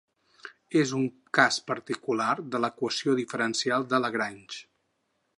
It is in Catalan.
És un cas particular de l'equació diferencial de Lagrange.